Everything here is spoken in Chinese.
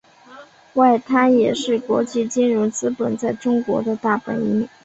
外滩也是国际金融资本在中国的大本营。